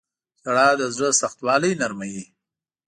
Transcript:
• ژړا د زړه سختوالی نرموي.